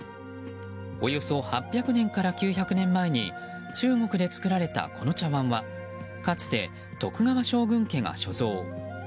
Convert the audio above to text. およそ８００年から９００年前に中国で作られた、この茶碗はかつて徳川将軍家が所蔵。